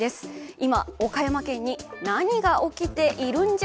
今、岡山県に何が起きているんじゃ？